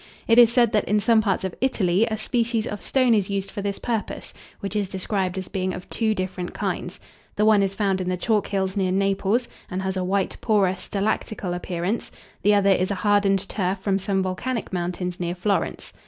It is said that, in some parts of Italy, a species of stone is used for this purpose, which is described as being of two different kinds; the one is found in the chalk hills near Naples, and has a white, porous, stalactical appearance; the other is a hardened turf from some volcanic mountains near Florence.